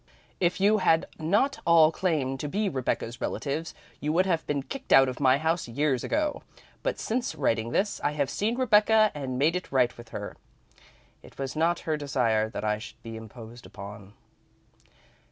"If you had not all claimed to be Rebecca's relatives, you would have been kicked out of my house years ago, but since writing this, I have seen Rebecca and made it right with her. It was not her desire that I should be imposed upon.